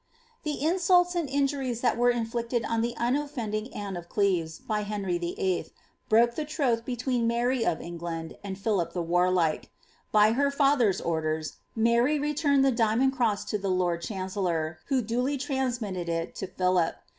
The insults and injuries that were inflicted on the unofYending Anne of Cleves by Henry VUI. broke the troth between Mary of England and Philip the Warlike. By her father's orders, Mary returned the diamond cross to the lord chancellor, who duly transmitted it to Philip.